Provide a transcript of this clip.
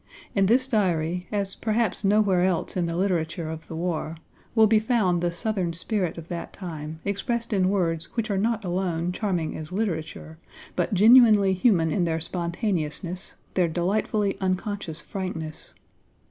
In this Diary, as perhaps nowhere else in the literature of the war, will be found the Southern spirit of that time expressed in words which are not alone charming as literature, but genuinely human in their spontaneousness, their delightfully unconscious frankness.